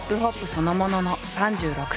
そのものの３６歳。